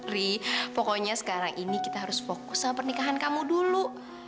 ri pokoknya sekarang ini kita harus fokus sama pernikahan kamu dulu